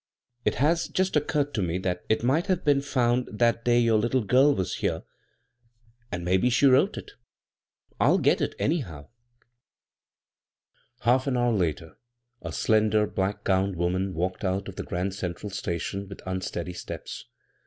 It has just occurred to me that it might have been found that day your litde gill was here, and maybe she wrote it I'll get it, anyhow." Half an hour later a slender, black gowned 59 b, Google CROSS CURRENTS woman walked out of the Grand Central Station with unsteady steps.